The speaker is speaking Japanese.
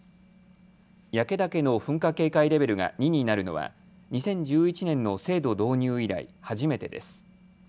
焼岳の噴火警戒レベルが２になるのは２０１１年の制度導入以来、初めてです。